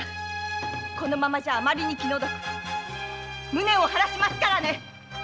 このままでは余りに気の毒無念を晴らしますからね。